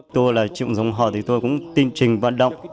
tôi là chịu dòng họ thì tôi cũng tinh trình vận động